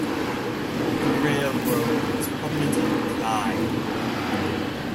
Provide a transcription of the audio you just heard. The railroad was prominent in Clyde.